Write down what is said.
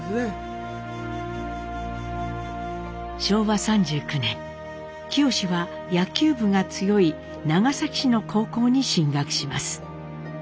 昭和３９年清は野球部が強い長崎市の高校に進学します。